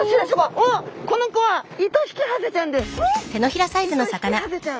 おっこの子はイトヒキハゼちゃん。